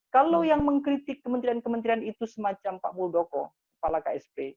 kalau yang mengkritik kementerian kementerian itu semacam pak muldoko kepala ksp